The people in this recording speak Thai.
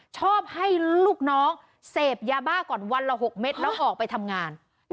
ชอบให้ลูกน้องเสพยาบ้าก่อนวันละ๖เม็ดแล้วออกไปทำงาน